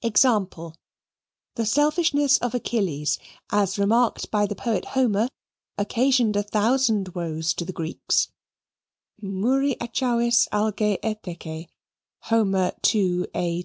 Example: The selfishness of Achilles, as remarked by the poet Homer, occasioned a thousand woes to the Greeks muri Achaiois alge etheke (Hom. Il. A.